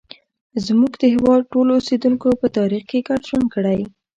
زموږ د هېواد ټولو اوسیدونکو په تاریخ کې ګډ ژوند کړی.